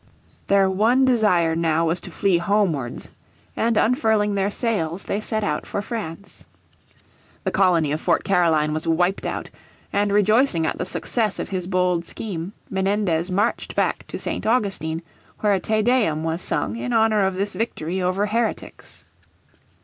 Their one desire now was to flee homewards, and unfurling their sails they set out for France. The colony of Fort Caroline was wiped out, and rejoicing at the success of his bold scheme, Menendez marched back to St. Augustine where a Te Deum was sung in honour of this victory over heretics.